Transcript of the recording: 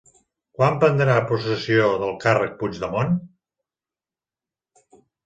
Quan prendrà possessió del càrrec Puigdemont?